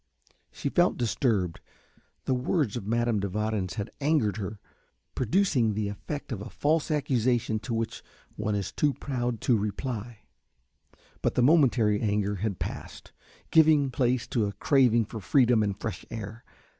She felt disturbed. The words of Madame de Warens had angered her, producing the effect of a false accusation to which one is too proud to reply, but the momentary anger had passed, giving place to a craving for freedom and fresh air.